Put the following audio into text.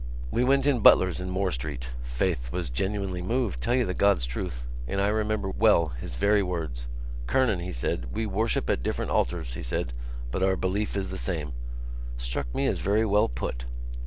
We went into Butler's in Moore Street—faith, I was genuinely moved, tell you the God's truth—and I remember well his very words. Kernan, he said, we worship at different altars, he said, but our belief is the same. Struck me as very well put."